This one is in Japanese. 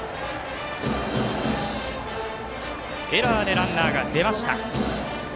エラーでランナーが出ました。